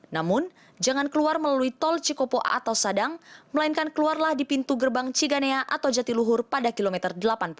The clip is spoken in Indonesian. namun jangan keluar melalui tol cikopo atau sadang melainkan keluarlah di pintu gerbang ciganea atau jatiluhur pada kilometer delapan puluh